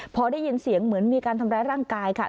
พอได้ยินเสียงเหมือนมีการทำร้ายร่างกายค่ะ